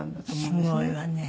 すごいわね。